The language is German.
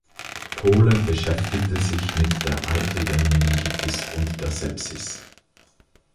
Pohle beschäftigte sich mit der eitrigen Meningitis und der Sepsis.